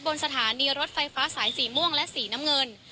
บนสถานีรถไฟฟ้าสายสีม่วงและสีน้ำเงิน